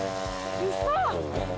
うそ！